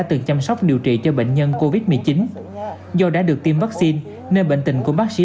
từng chăm sóc điều trị cho bệnh nhân covid một mươi chín do đã được tiêm vaccine nên bệnh tình của bác sĩ